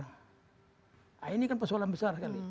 nah ini kan persoalan besar sekali